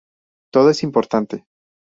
Todo es importante.